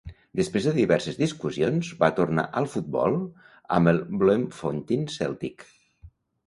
Després de diverses discussions, va tornar al futbol amb el Bloemfontein Celtic.